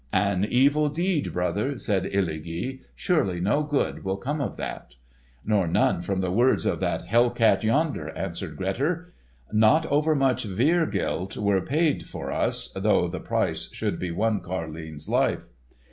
"An evil deed, brother," said Illugi. "Surely no good will come of that." "Nor none from the words of that hell cat yonder," answered Grettir. "Not over much were gild were paid for us, though the price should be one carline's life."